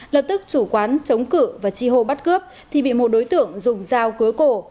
lập tức chủ quán chống cử và chi hồ bắt cướp thì bị một đối tượng dùng dao cưới cổ